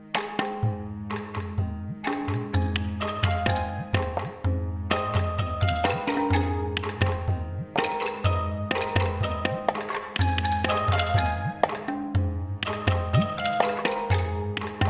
tunggu aku mau cari